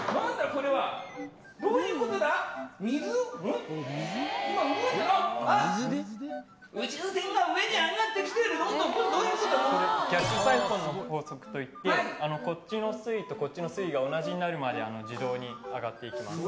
これ逆サイフォンの法則といってこっちの水位とこっちの水位が同じになるまで自動に上がっていきます